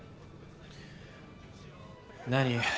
何？